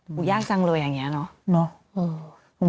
หนูแยกจังเลยอย่างเนี่ย